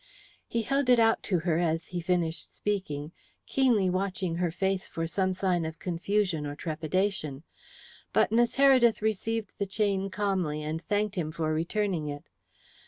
He held it out to her as he finished speaking, keenly watching her face for some sign of confusion or trepidation. But Miss Heredith received the chain calmly, and thanked him for returning it.